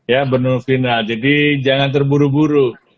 ya benar final jadi jangan terburu buru